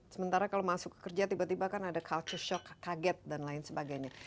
sementara kalau masuk kerja tiba tiba kan ada culture shock kaget dan lain sebagainya